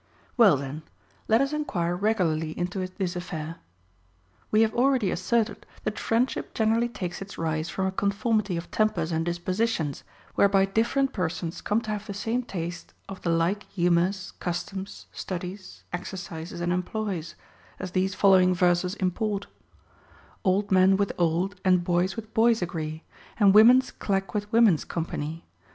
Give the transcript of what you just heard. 6. Well then, let us enquire regularly into this affair. We have already asserted, that friendship generally takes its rise from a conformity of tempers and dispositions, whereby different persons come to have the same taste of the like humors, customs, studies, exercises, and employs, as these following verses import :— Old men with old, and boys with boys agree ; And women's clack with women's company.